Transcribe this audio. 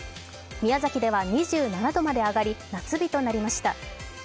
宮崎では２７度まで上がり、夏日となりました。